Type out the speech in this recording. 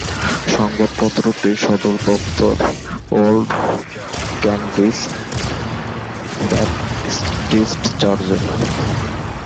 সংবাদপত্রটির সদর দফতর old Cambridge Baptist চার্চে।